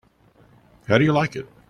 How do you like it?